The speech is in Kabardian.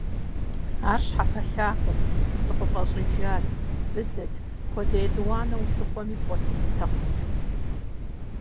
Ар щхьэпэлъагэт, зыкъыфӀэщӀыжат, быдэт, хуэдэ етӀуанэ улъыхъуэми бгъуэтынтэкъым.